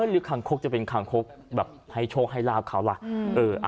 หรือขางโคกจะเป็นขางโคกแบบให้โชคให้ราวเขาอ่ะอืมเออ